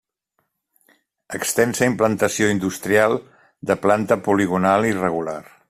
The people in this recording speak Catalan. Extensa implantació industrial, de planta poligonal irregular.